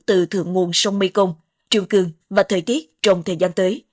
từ thượng nguồn sông mây công trường cường và thời tiết trong thời gian tới